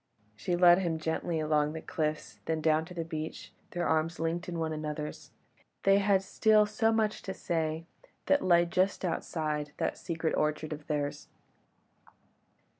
She led him gently along the cliffs, then down to the beach; their arms linked in one another's, they had still so much to say that lay just outside that secret orchard of theirs.